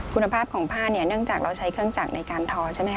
คุณภาพของผ้าเนื่องจากเราใช้เครื่องจักรในการทอ